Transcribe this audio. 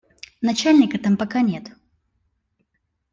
Начальника там пока нет.